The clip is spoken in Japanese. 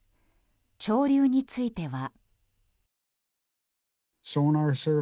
潮流については。